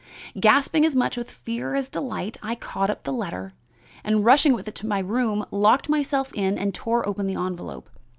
"Gasping as much with fear as delight, I caught up the letter, and, rushing with it to my room, locked myself in and tore open the envelope.